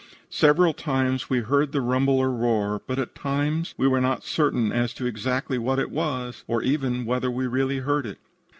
Several times we heard the rumble or roar, but at the time we were not certain as to exactly what it was, or even whether we really heard it.